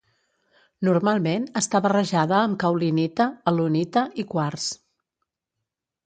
Normalment està barrejada amb caolinita, alunita i quars.